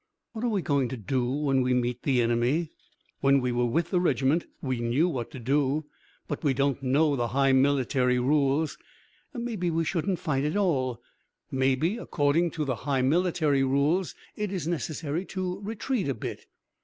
"What are we going to do when we meet the enemy? When we were with the regiment, we knew what to do.... But we don't know the high military rules! Maybe, we shouldn't fight at all, maybe, according to the high military rules it is necessary to retreat a bit?...